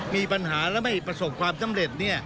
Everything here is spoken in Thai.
มีปัญหาและไม่ประสบความสำเร็จ